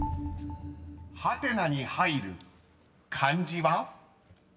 ［ハテナに入る漢字は？］